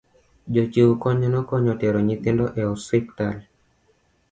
jochiw kony nokonyo tero nyithindo e ospital